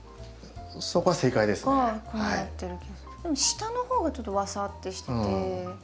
下の方がちょっとワサッてしてて。